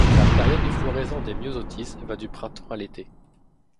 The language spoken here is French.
La période de floraison des myosotis va du printemps à l'été.